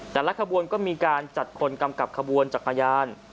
แต่ละขบวนก็มีการจัดคนกำกับขบวนจักรยาน